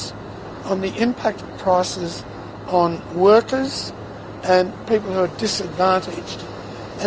pada harga yang terpengaruh pada pekerja dan orang orang yang diperlukan